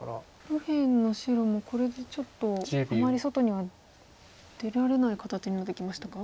右辺の白もこれでちょっとあまり外には出られない形になってきましたか？